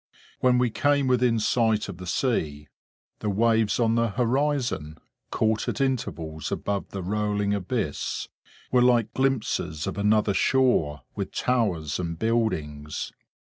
When we came within sight of the sea, the waves on the horizon, caught at intervals above the rolling abyss, were like glimpses of another shore with towers and buildings.